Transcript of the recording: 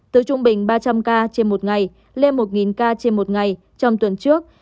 từ trung bình ba trăm linh ca trên một ngày lên một ca trên một ngày trong tuần trước